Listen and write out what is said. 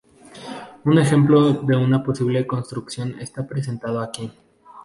Un ejemplo de una posible construcción está presentado aquí.